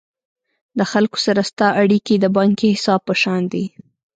د خلکو سره ستا اړیکي د بانکي حساب په شان دي.